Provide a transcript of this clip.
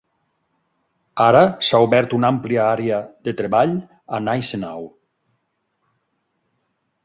Ara s"ha obert una àmplia àrea de treball a Gneisenau.